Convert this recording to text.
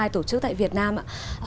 tổ chức tại việt nam ạ